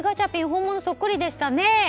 本物そっくりでしたね。